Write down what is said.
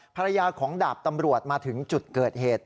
ภรรยาของดาบตำรวจมาถึงจุดเกิดเหตุ